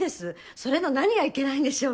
それの何がいけないんでしょうか？